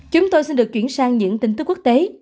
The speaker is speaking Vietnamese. chúng tôi xin được chuyển sang những tin tức quốc tế